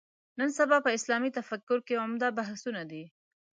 نن سبا په اسلامي تفکر کې عمده مباحثو ده.